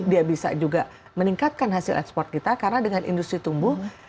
dia bisa juga meningkatkan hasil ekspor kita karena dengan industri tumbuh